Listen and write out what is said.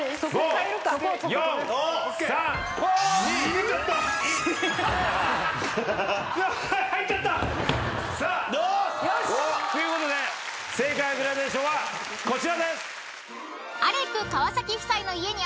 入っちゃった！ということで正解グラデーションはこちらです！